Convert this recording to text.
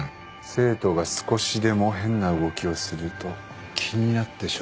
生徒が少しでも変な動きをすると気になってしょうがない。